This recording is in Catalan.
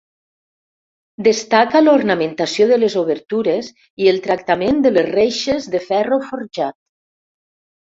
Destaca l'ornamentació de les obertures i el tractament de les reixes de ferro forjat.